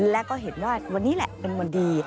และก็เห็นว่าวันนี้แหละเป็นวันดี